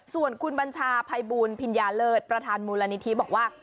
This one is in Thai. ส่วนคุณบัญชาภัยบูลพิญญาเลิศประธานมูลนิธิบอกว่า